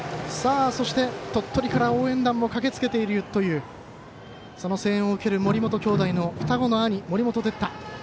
そして、鳥取から応援団も駆けつけているというその声援を受けている森本兄弟の双子の兄、森本哲太。